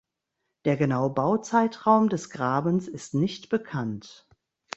Der genaue Bauzeitraum des Grabens ist nicht bekannt.